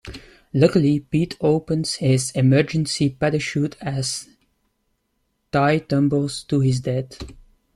Luckily, Pete opens his emergency parachute as Ty tumbles to his death.